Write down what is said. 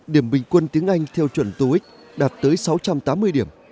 điểm bình quân tiếng anh theo chuẩn tox đạt tới sáu trăm tám mươi điểm